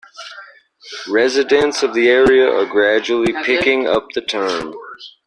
Residents of the area are gradually picking up the term.